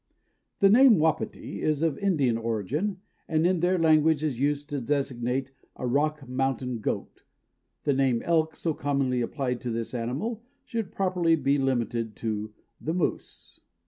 The name Wapiti is of Indian origin, and in their language is used to designate a Rock Mountain goat. The name elk so commonly applied to this animal should properly be limited to the moose.